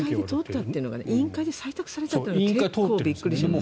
委員会で採択されたというのが結構びっくりしました。